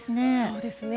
そうですね。